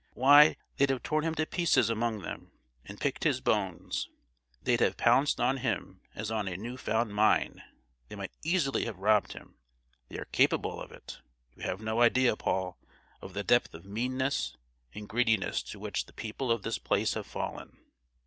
Why, they'd have torn him to pieces among them, and picked his bones! They'd have pounced on him as on a new found mine; they might easily have robbed him; they are capable of it. You have no idea, Paul, of the depth of meanness and greediness to which the people of this place have fallen!"